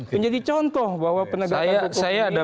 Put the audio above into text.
menjadi contoh bahwa penegakan saya ada